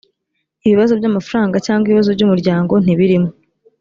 ibibazo by’amafaranga cyangwa ibibazo by’umuryango ntibirimo.